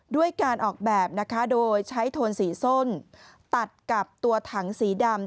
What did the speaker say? ด้วยการออกแบบนะคะโดยใช้โทนสีส้นตัดกับตัวถังสีดำ